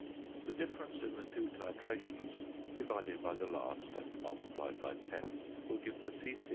The difference in the two titrations, divided by the last and multiplied by 10, will give the c.c.